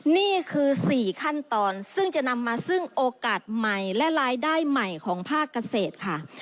นี่คือ๔ขั้นตอนซึ่งจะนำมาซึ่งโอกาสใหม่และรายได้ใหม่ของภาคเกษตรค่ะ